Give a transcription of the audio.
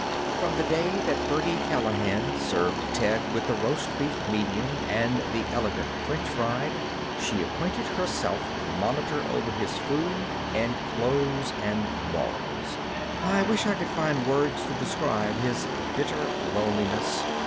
From the day that Birdie Callahan served Ted with the roast beef medium and the elegant French fried, she appointed herself monitor over his food and clothes and morals. I wish I could find words to describe his bitter loneliness.